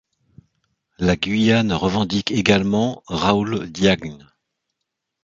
La Guyane revendique également Raoul Diagne.